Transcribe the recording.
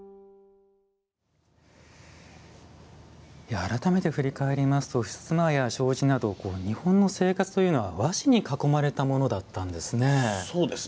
改めて振り返りますとふすまや障子など日本の生活というのは和紙に囲まれたものだったんですね。